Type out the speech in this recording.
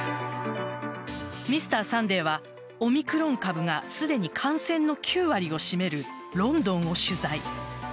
「Ｍｒ．サンデー」はオミクロン株がすでに感染の９割を占めるロンドンを取材。